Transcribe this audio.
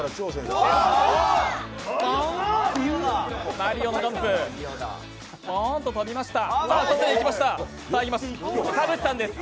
マリオのジャンプポーンと跳びました。